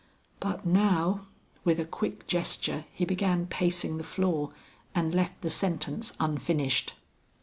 But now " with a quick gesture he began pacing the floor and left the sentence unfinished.